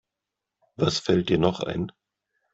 Was fällt dir noch ein?